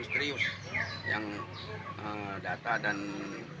ternyata di sini kedapatan ada salah satu orang misterius